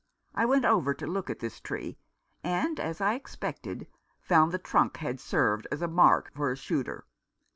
I went over to look at this tree, and, as I expected, found the trunk had served as a mark for a shooter.